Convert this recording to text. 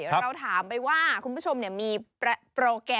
เราถามไปว่าคุณผู้ชมเนี่ยมีประประ